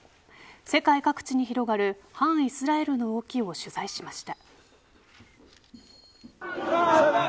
世界各地に広がる反イスラエルの動きを取材しました。